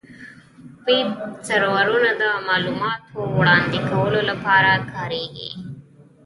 ویب سرورونه د معلوماتو وړاندې کولو لپاره کارېږي.